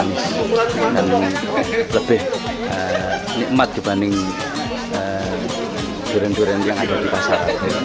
yang lebih nikmat dibanding durian durian yang ada di pasar